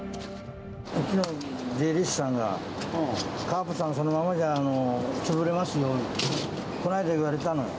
うちの税理士さんが、カープさん、そのままじゃ潰れますよって、この間言われたのよ。